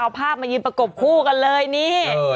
เอาภาพมายืนประกบคู่กันเลยนี่